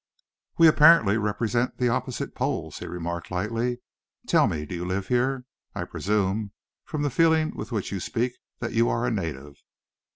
"We apparently represent the opposite poles," he remarked lightly. "Tell me, do you live here? I presume, from the feeling with which you speak, that you are a native."